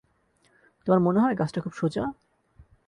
তোমার মনে হয় কাজটা খুব সোজা?